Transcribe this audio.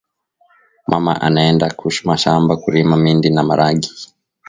mama anaenda ku mashamba kurima mindi na maragi